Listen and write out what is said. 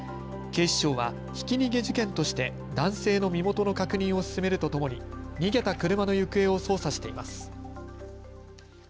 警視庁はひき逃げ事件として男性の身元の確認を進めるとともに逃げた車の行方を捜査しています。